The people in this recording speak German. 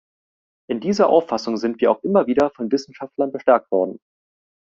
In dieser Auffassung sind wir auch immer wieder von Wissenschaftlern bestärkt worden.